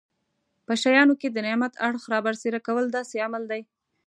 په شیانو کې د نعمت اړخ رابرسېره کول داسې عمل دی.